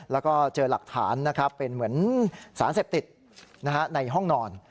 แล้วก็เจอหลักฐานนะครับเป็นเหมือนสารเสพติดในห้องนอน